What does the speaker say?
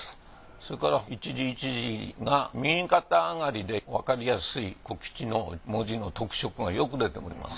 それから一字一字が右肩上がりでわかりやすい小吉の文字の特色がよく出ております。